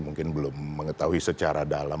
mungkin belum mengetahui secara dalam